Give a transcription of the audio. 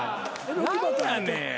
何やねん。